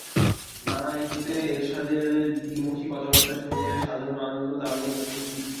নানা ইস্যুতে এরশাদের দ্বিমুখী কথাবার্তা শুনে সাধারণ মানুষও তাঁর ওপর ভীষণ ক্ষুব্ধ।